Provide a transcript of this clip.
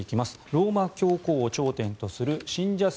ローマ教皇を頂点とする信者数